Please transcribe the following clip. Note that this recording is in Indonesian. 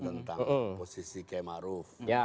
tentang posisi kmaruf